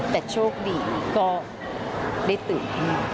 แต่โชคดีก็ได้ตื่น